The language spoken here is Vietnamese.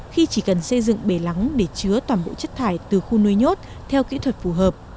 khi chỉ cần xây dựng bể lắng để chứa toàn bộ chất thải từ khu nuôi nhốt theo kỹ thuật phù hợp